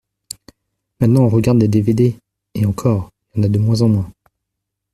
maintenant on regarde des dévédés. Et encore, y’en a de moins en moins